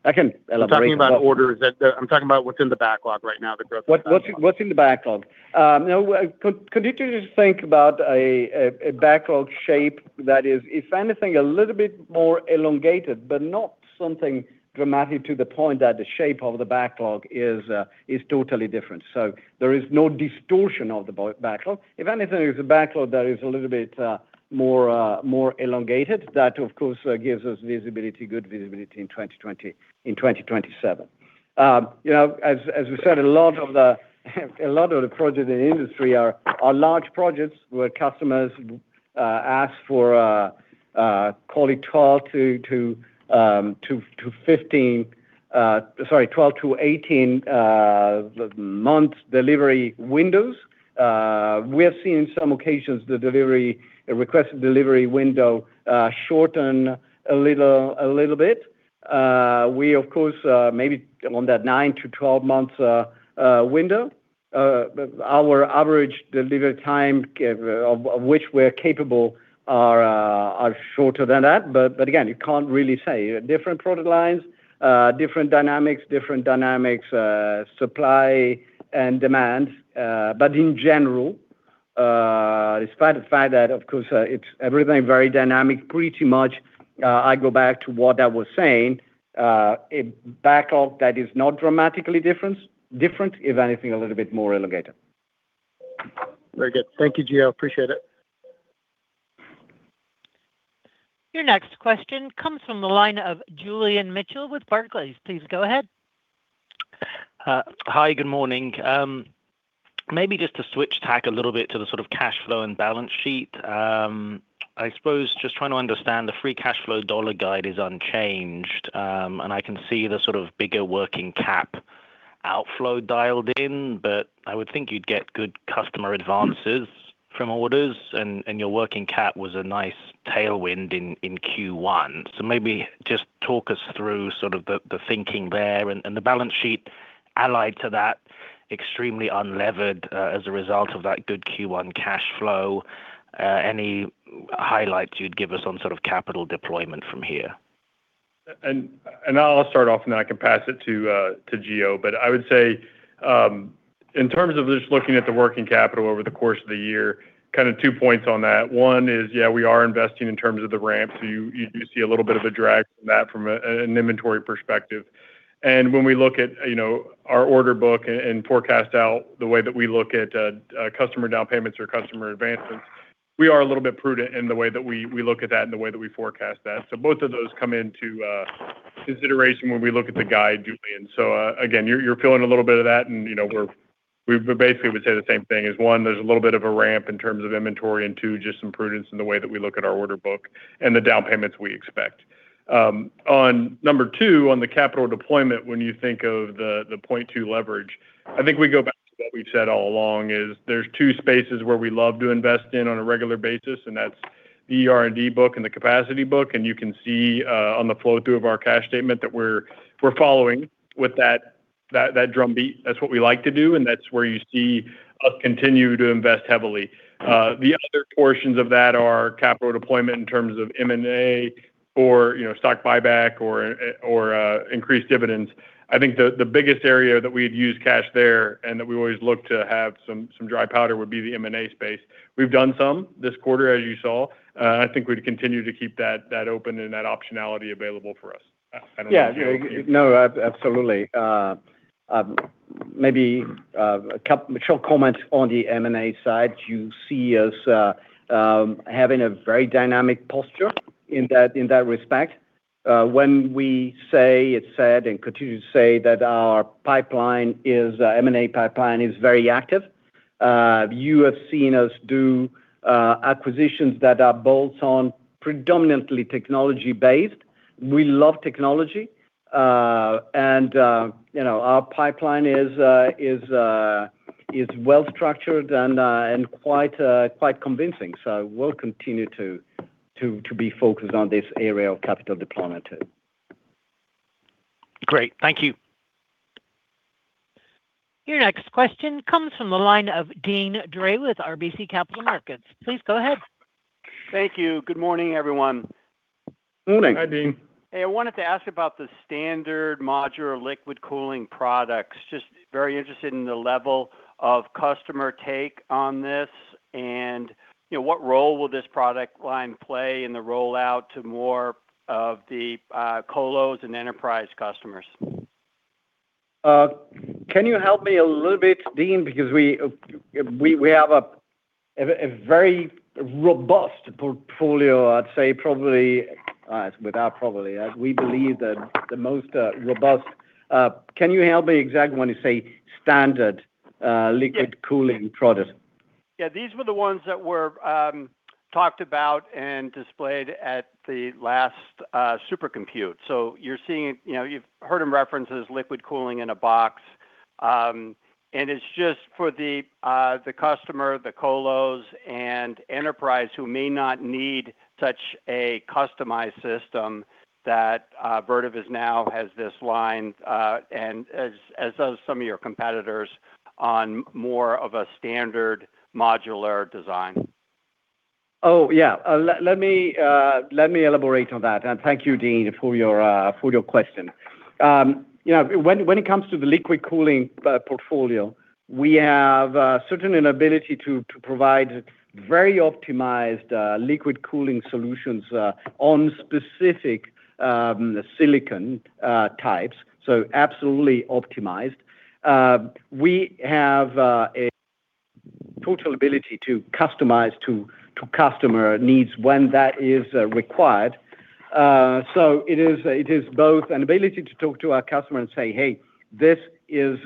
I can elaborate both. I'm talking about orders. I'm talking about what's in the backlog right now, the growth. What's in the backlog? Could you just think about a backlog shape that is, if anything, a little bit more elongated, but not something dramatic to the point that the shape of the backlog is totally different. There is no distortion of the backlog. If anything, it's a backlog that is a little bit more elongated. That, of course, gives us good visibility in 2027. As we said, a lot of the projects in the industry are large projects where customers ask for call it 12-15, sorry, 12-18 months delivery windows. We have seen some occasions the requested delivery window shorten a little bit. We, of course, maybe on that nine-12 months window, our average delivery time, of which we're capable, are shorter than that. Again, you can't really say. Different product lines, different dynamics, supply and demand. In general, despite the fact that of course everything is very dynamic, pretty much I go back to what I was saying, a backlog that is not dramatically different. If anything, a little bit more elongated. Very good. Thank you, Gio. Appreciate it. Your next question comes from the line of Julian Mitchell with Barclays. Please go ahead. Hi. Good morning. Maybe just to switch tack a little bit to the sort of cash flow and balance sheet. I suppose just trying to understand the free cash flow dollar guide is unchanged, and I can see the sort of bigger working cap outflow dialed in, but I would think you'd get good customer advances from orders, and your working cap was a nice tailwind in Q1. Maybe just talk us through sort of the thinking there, and the balance sheet, allied to that, extremely unlevered as a result of that good Q1 cash flow. Any highlights you'd give us on sort of capital deployment from here? I'll start off, and then I can pass it to Gio. I would say in terms of just looking at the working capital over the course of the year, kind of two points on that. One is, yeah, we are investing in terms of the ramp, so you do see a little bit of a drag from that from an inventory perspective. When we look at our order book and forecast out the way that we look at customer down payments or customer advancements, we are a little bit prudent in the way that we look at that and the way that we forecast that. Both of those come into consideration when we look at the guide, Julian. Again, you're feeling a little bit of that, and we basically would say the same thing is, one, there's a little bit of a ramp in terms of inventory, and two, just some prudence in the way that we look at our order book and the down payments we expect. On number two, on the capital deployment, when you think of the point two leverage, I think we go back to what we've said all along is there's two spaces where we love to invest in on a regular basis, and that's the R&D book and the capacity book. You can see on the flow through of our cash flow statement that we're following with that drumbeat, that's what we like to do, and that's where you see us continue to invest heavily. The other portions of that are capital deployment in terms of M&A or stock buyback or increased dividends. I think the biggest area that we'd use cash there and that we always look to have some dry powder would be the M&A space. We've done some this quarter, as you saw. I think we'd continue to keep that open and that optionality available for us. I don't know if you want to. Yeah. No, absolutely. Maybe a short comment on the M&A side. You see us having a very dynamic posture in that respect. When we say we've said and continue to say that our M&A pipeline is very active. You have seen us do acquisitions that are bolt-ons, predominantly technology-based. We love technology. Our pipeline is well-structured and quite convincing. We'll continue to be focused on this area of capital deployment too. Great. Thank you. Your next question comes from the line of Deane Dray with RBC Capital Markets. Please go ahead. Thank you. Good morning, everyone. Morning. Hi, Deane. Hey, I wanted to ask about the standard modular liquid cooling products. Just very interested in the level of customer take on this, and what role will this product line play in the rollout to more of the colos and enterprise customers? Can you help me a little bit, Deane, because we have a very robust portfolio. Can you help me exactly when you say standard liquid cooling product? Yeah. These were the ones that were talked about and displayed at the last SC. You're seeing, you've heard them referenced as liquid cooling in a box. It's just for the customer, the colos, and enterprise who may not need such a customized system that Vertiv now has this line, and as does some of your competitors, on more of a standard modular design. Oh, yeah. Let me elaborate on that. Thank you, Deane, for your question. When it comes to the liquid cooling portfolio, we have certainly an ability to provide very optimized liquid cooling solutions on specific silicon types, so absolutely optimized. We have a total ability to customize to customer needs when that is required. It is both an ability to talk to our customer and say, "Hey, this is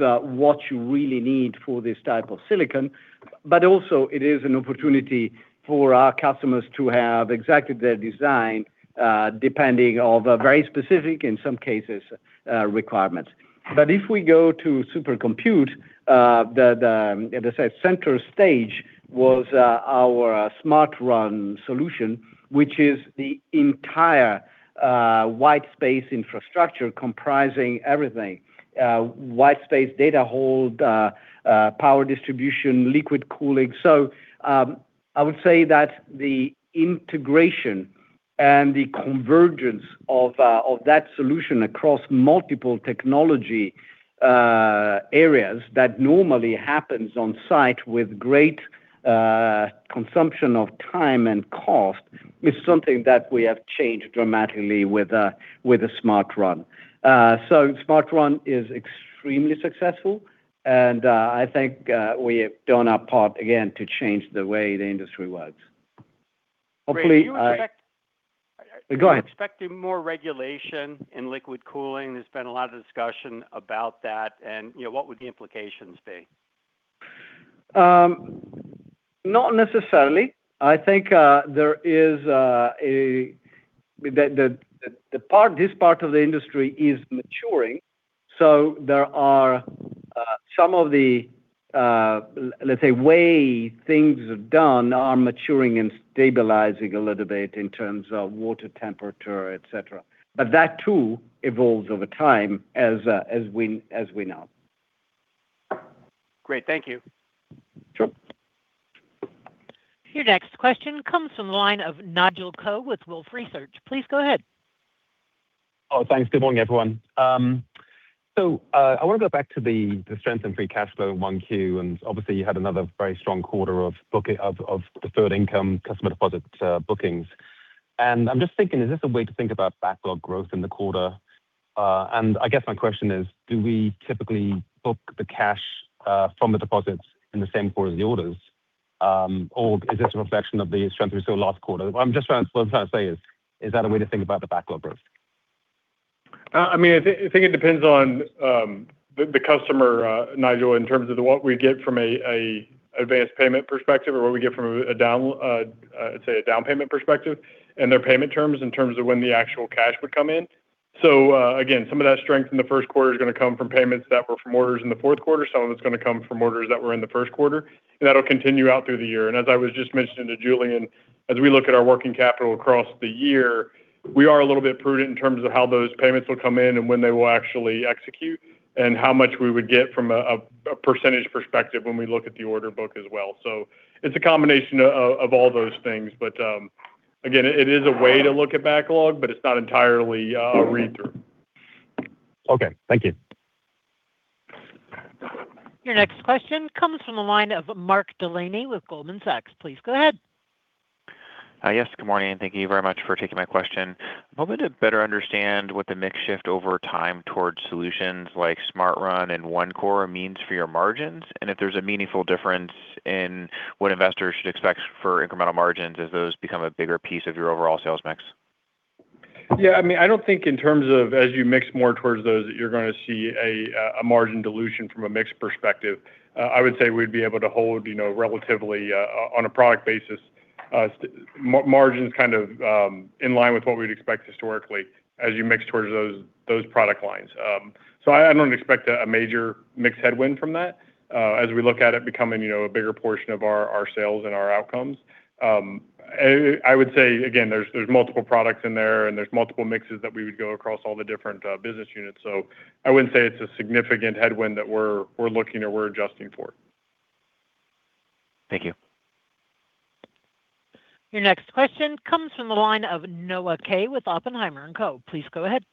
what you really need for this type of silicon." Also it is an opportunity for our customers to have exactly their design, depending of very specific, in some cases, requirements. If we go to SC, the center stage was our SmartRun solution, which is the entire white space infrastructure comprising everything, white space data hall, power distribution, liquid cooling. I would say that the integration and the convergence of that solution across multiple technology areas that normally happens on site with great consumption of time and cost is something that we have changed dramatically with the SmartRun. SmartRun is extremely successful, and I think we have done our part again to change the way the industry works. Great. Do you expect- Go ahead.... more regulation in liquid cooling? There's been a lot of discussion about that, and what would the implications be? Not necessarily. I think this part of the industry is maturing. Some of the, let's say, way things are done are maturing and stabilizing a little bit in terms of water temperature, et cetera. That too evolves over time as we know. Great. Thank you. Sure. Your next question comes from the line of Nigel Coe with Wolfe Research. Please go ahead. Oh, thanks. Good morning, everyone. I want to go back to the strength in free cash flow in 1Q, and obviously you had another very strong quarter of deferred income customer deposit bookings. I'm just thinking, is this a way to think about backlog growth in the quarter? I guess my question is, do we typically book the cash from the deposits in the same quarter as the orders, or is this a reflection of the strength we saw last quarter? What I'm just trying to say is that a way to think about the backlog growth? I think it depends on the customer, Nigel, in terms of what we get from an advanced payment perspective or what we get from a down payment perspective, and their payment terms in terms of when the actual cash would come in. So again, some of that strength in the Q1 is going to come from payments that were from orders in the Q4. Some of it's going to come from orders that were in the Q1, and that'll continue out through the year. As I was just mentioning to Julian, as we look at our working capital across the year, we are a little bit prudent in terms of how those payments will come in and when they will actually execute, and how much we would get from a percentage perspective when we look at the order book as well. It's a combination of all those things. Again, it is a way to look at backlog, but it's not entirely a read-through. Okay. Thank you. Your next question comes from the line of Mark Delaney with Goldman Sachs. Please go ahead. Yes, good morning, and thank you very much for taking my question. I'm hoping to better understand what the mix shift over time towards solutions like SmartRun and OneCore means for your margins, and if there's a meaningful difference in what investors should expect for incremental margins as those become a bigger piece of your overall sales mix. Yeah. I don't think in terms of as you mix more towards those, that you're going to see a margin dilution from a mix perspective. I would say we'd be able to hold relatively, on a product basis, margins kind of in line with what we'd expect historically as you mix towards those product lines. I don't expect a major mix headwind from that as we look at it becoming a bigger portion of our sales and our outcomes. I would say, again, there's multiple products in there and there's multiple mixes that we would go across all the different business units. I wouldn't say it's a significant headwind that we're looking or we're adjusting for. Thank you. Your next question comes from the line of Noah Kaye with Oppenheimer & Co. Please go ahead.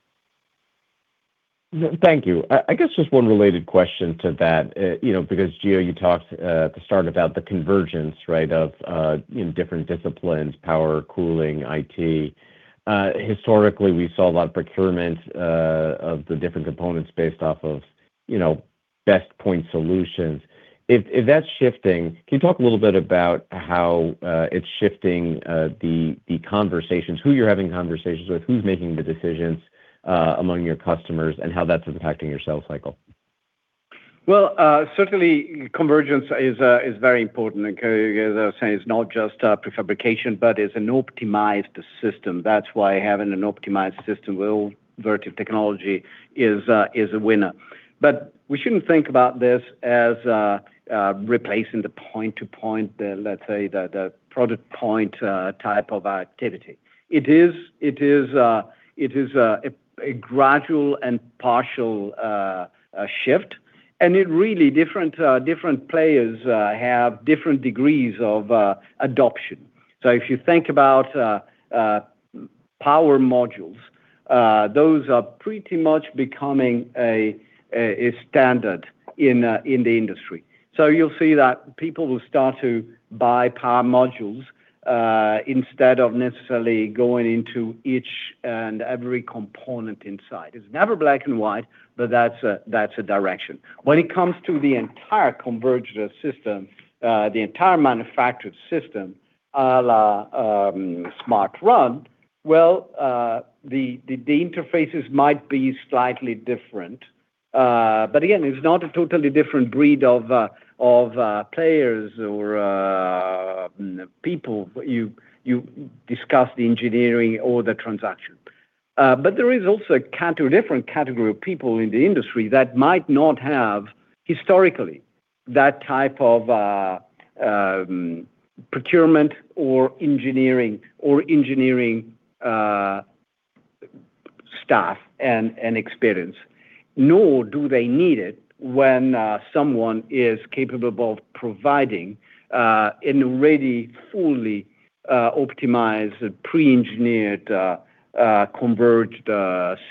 Thank you. I guess just one related question to that, because Gio, you talked at the start about the convergence, right, of different disciplines, power, cooling, IT. Historically, we saw a lot of procurement of the different components based off of best point solutions. If that's shifting, can you talk a little bit about how it's shifting the conversations, who you're having conversations with, who's making the decisions among your customers, and how that's impacting your sales cycle? Well, certainly convergence is very important. As I was saying, it's not just prefabrication, but it's an optimized system. That's why having an optimized system with Vertiv technology is a winner. We shouldn't think about this as replacing the point to point, let's say, the product point type of activity. It is a gradual and partial shift, and really different players have different degrees of adoption. If you think about power modules, those are pretty much becoming a standard in the industry. You'll see that people will start to buy power modules instead of necessarily going into each and every component inside. It's never black and white, but that's a direction. When it comes to the entire converged system, the entire manufactured system, à la SmartRun, well, the interfaces might be slightly different. Again, it's not a totally different breed of players or people you discuss the engineering or the transaction. There is also a different category of people in the industry that might not have historically that type of procurement or engineering staff and experience, nor do they need it when someone is capable of providing an already fully optimized, pre-engineered, converged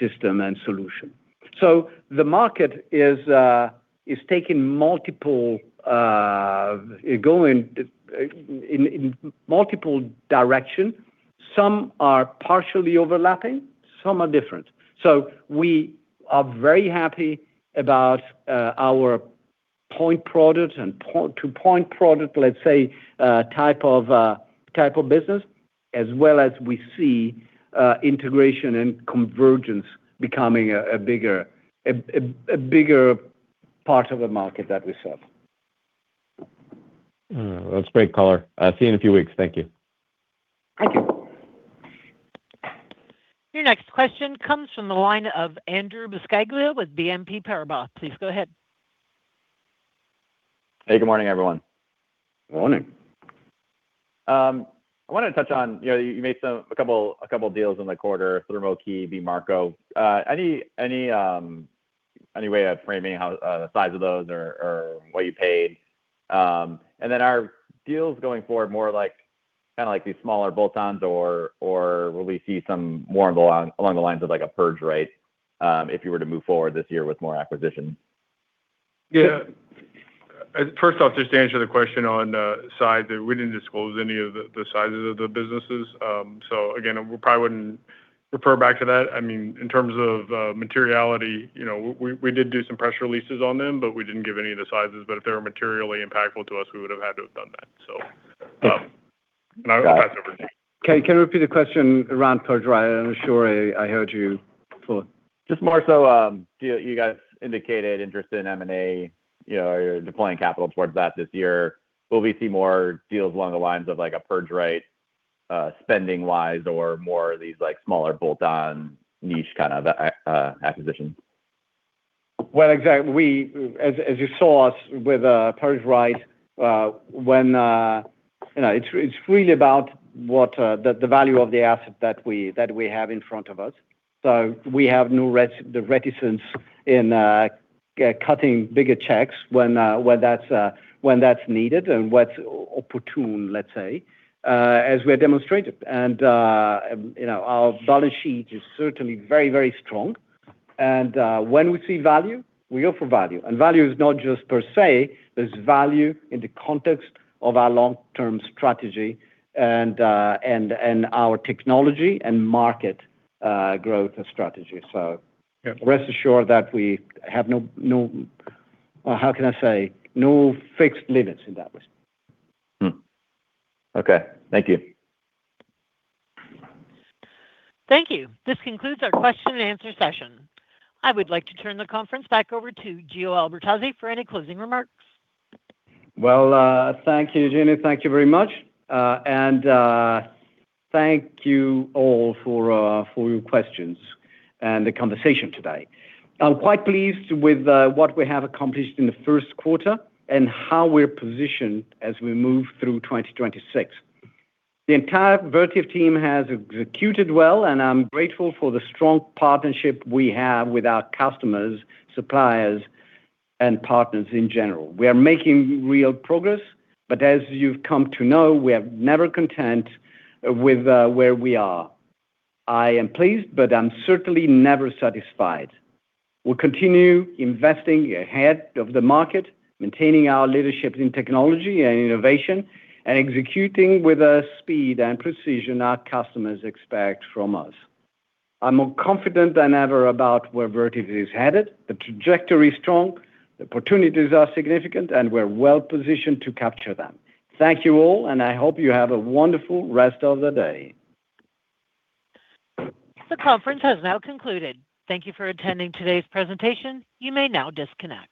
system and solution. The market is going in multiple directions. Some are partially overlapping, some are different. We are very happy about our point product and point to point product, let's say, type of business, as well as we see integration and convergence becoming a bigger part of the market that we serve. That's great, color. See you in a few weeks. Thank you. Thank you. Your next question comes from the line of Andrew Buscaglia with BNP Paribas. Please go ahead. Hey, good morning, everyone. Morning. I wanted to touch on. You made a couple deals in the quarter, ThermoKey, BMarko. Any way of framing how the size of those or what you paid? Then are deals going forward more kind of these smaller bolt-ons, or will we see some more along the lines of a PurgeRite if you were to move forward this year with more acquisitions? Yeah. First off, just to answer the question on size, we didn't disclose any of the sizes of the businesses. Again, we probably wouldn't refer back to that. In terms of materiality, we did do some press releases on them, but we didn't give any of the sizes. If they were materially impactful to us, we would have had to have done that. I would pass over to you. Can you repeat the question around purge rate? I'm not sure I heard you fully. Just more so, you guys indicated interest in M&A. You're deploying capital towards that this year. Will we see more deals along the lines of like a PurgeRite, spending-wise, or more of these smaller bolt-on niche kind of acquisitions? Well, exactly. As you saw us with PurgeRite, it's really about the value of the asset that we have in front of us. We have no reticence in cutting bigger checks when that's needed and what's opportune, let's say, as we have demonstrated. Our balance sheet is certainly very, very strong. When we see value, we go for value. Value is not just per se, there's value in the context of our long-term strategy and our technology and market growth strategy. Yeah. Rest assured that we have no fixed limits in that respect. Okay. Thank you. Thank you. This concludes our question and answer session. I would like to turn the conference back over to Gio Albertazzi for any closing remarks. Well, thank you, Jenny. Thank you very much. Thank you all for your questions and the conversation today. I'm quite pleased with what we have accomplished in the Q1 and how we're positioned as we move through 2026. The entire Vertiv team has executed well, and I'm grateful for the strong partnership we have with our customers, suppliers, and partners in general. We are making real progress, but as you've come to know, we are never content with where we are. I am pleased, but I'm certainly never satisfied. We'll continue investing ahead of the market, maintaining our leadership in technology and innovation, and executing with the speed and precision our customers expect from us. I'm more confident than ever about where Vertiv is headed. The trajectory is strong, the opportunities are significant, and we're well positioned to capture them. Thank you all, and I hope you have a wonderful rest of the day. The conference has now concluded. Thank you for attending today's presentation. You may now disconnect.